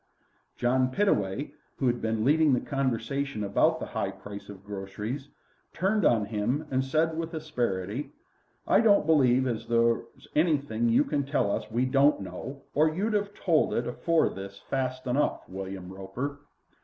John Pittaway, who had been leading the conversation about the high price of groceries, turned on him and said with asperity: "I don't believe as there's anything you can tell us as we don't know, or you'd 'ave told it afore this fast enough, William Roper."